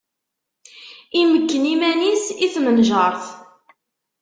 Imekken iman-is i tmenjeṛt.